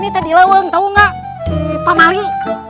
ini lho tahu nggak pamali